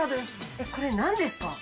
えっこれなんですか？